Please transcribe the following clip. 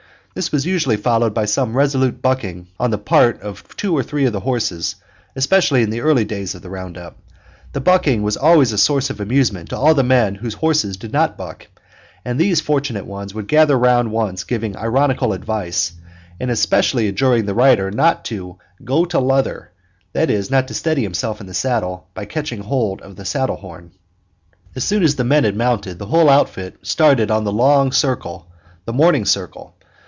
This was usually followed by some resolute bucking on the part of two or three of the horses, especially in the early days of each round up. The bucking was always a source of amusement to all the men whose horses did not buck, and these fortunate ones would gather round giving ironical advice, and especially adjuring the rider not to "go to leather" that is, not to steady himself in the saddle by catching hold of the saddle horn. As soon as the men had mounted, the whole outfit started on the long circle, the morning circle.